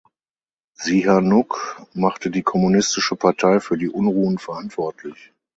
Sihanouk machte die Kommunistische Partei für die Unruhen verantwortlich.